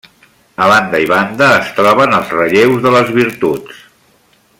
A banda i banda es troben els relleus de les Virtuts.